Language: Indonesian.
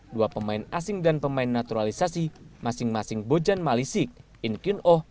dua pemain asing dan pemain naturalisasi masing masing bojan malisik inkyun oh